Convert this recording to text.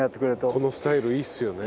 このスタイルいいっすよね。